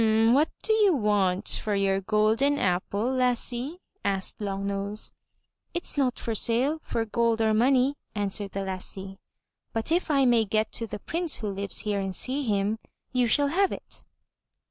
What do you want for your golden apple, lassie?" asked the Long nose. '*It's not for sale for gold or money," answered the lassie. But if I may get to the Prince who lives here and see him, you shall have it."